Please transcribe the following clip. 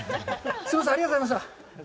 すみません、ありがとうございました。